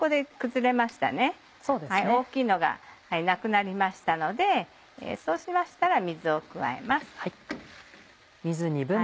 大きいのがなくなりましたのでそうしましたら水を加えます。